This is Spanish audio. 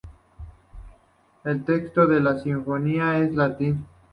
El texto de la sinfonía es en latín.